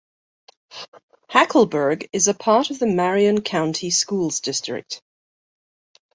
Hackleburg is a part of the Marion County Schools district.